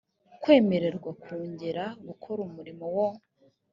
kwemererwa kungera gukora umurimo wo